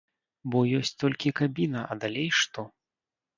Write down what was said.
Бо ёсць толькі кабіна, а далей што?